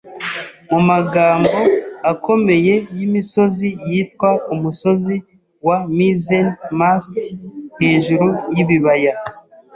mumagambo akomeye, yimisozi yitwa Umusozi wa Mizzen-mast. Hejuru y'ibibaya